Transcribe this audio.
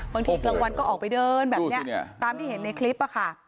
บางทีกลางวันก็ออกไปเดินแบบนี้ตามที่เห็นในคลิปค่ะ